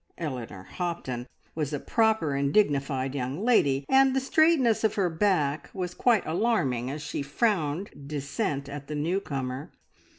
Eleanor Hopton was a proper and dignified young lady, and the straightness of her back was quite alarming as she frowned dissent at the new comer.